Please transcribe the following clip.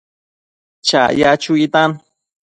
chaya chuitan